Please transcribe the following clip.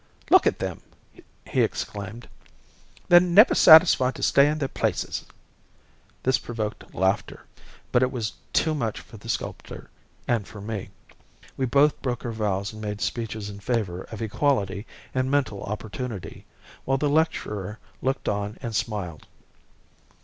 "Look at them," he exclaimed, "They're never satisfied to stay in their places." This provoked laughter, but it was too much for the sculptor and for me. We both broke our vows and made speeches in favour of equality and mental opportunity, while the lecturer looked on and smiled.